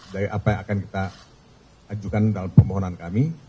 dari apa yang akan kita ajukan dalam permohonan kami